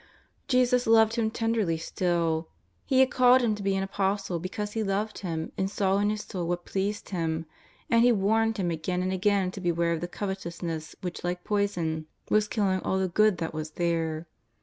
Jesus loved him tenderly still. He had called him to be an Apostle because He loved him and saw in his soul what pleased Him, and He warned him again and again to beware of the covetousness which like poison was killing all the good that was there.